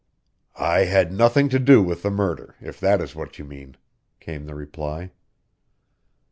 "I had nothing to do with the murder, if that is what you mean," came the reply.